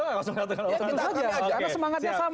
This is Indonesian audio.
karena semangatnya sama